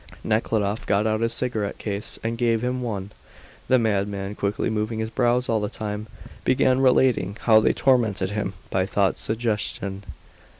Nekhludoff got out his cigarette case and gave him one. The madman, quickly moving his brows all the time, began relating how they tormented him by thought suggestion.